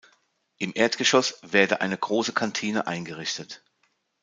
Im Erdgeschoss werde eine große Kantine eingerichtet.